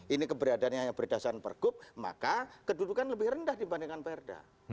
ini keberadaannya hanya berdasarkan pergub maka kedudukan lebih rendah dibandingkan perda